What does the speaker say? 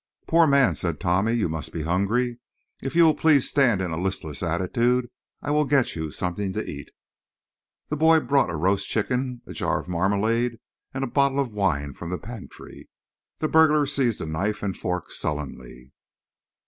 "Poor man," said Tommy. "You must be hungry. If you will please stand in a listless attitude I will get you something to eat." The boy brought a roast chicken, a jar of marmalade and a bottle of wine from the pantry. The burglar seized a knife and fork sullenly.